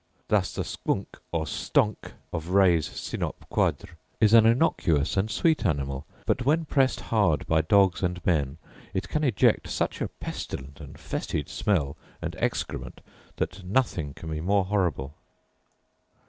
Thus the squnck, or stonck, of Ray's Synop. Ouadr. is an innocuous and sweet animal; but, when pressed hard by dogs and men, it can eject such a pestilent and fetid smell and excrement, that nothing can be more horrible.